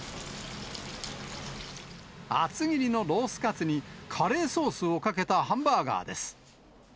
厚切りのロースカツにカレーソースをかけたハンバーガーです。